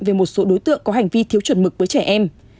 về một số đối tượng có hành vi thiếu chuẩn mực với trẻ em